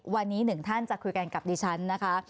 วันนี้หนึ่งท่านจะคุยกันกับดิฉันนะคะ